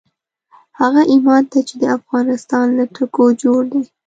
هغه ايمان ته چې د افغانستان له ګټو جوړ دی.